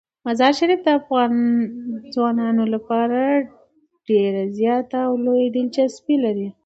مزارشریف د افغان ځوانانو لپاره ډیره زیاته او لویه دلچسپي لري.